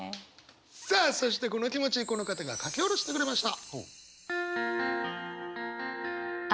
さあそしてこの気持ちこの方が書き下ろしてくれました！